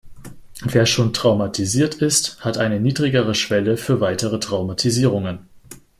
Wer schon traumatisiert ist, hat eine niedrigere Schwelle für weitere Traumatisierungen.